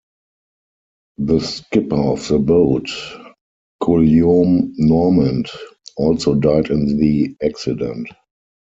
The skipper of the boat, Guillaume Normant, also died in the accident.